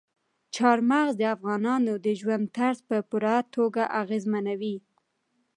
چار مغز د افغانانو د ژوند طرز په پوره توګه اغېزمنوي.